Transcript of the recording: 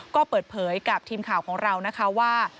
ก็เปิดเผยกับทีมข่าวของเรานะคะว่า